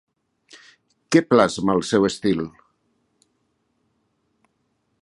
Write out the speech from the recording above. Què plasma el seu estil?